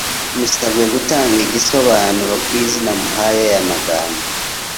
Musabwe gutanga igisobanuro k izina muhaye aya magambo